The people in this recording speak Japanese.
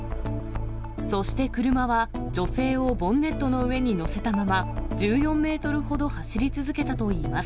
そして車は、女性をボンネットの上に乗せたまま、１４メートルほど走り続けたといいます。